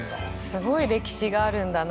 すごい歴史があるんだな